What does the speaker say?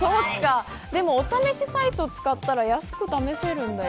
でもお試しサイトを使ったら安く試せるよ。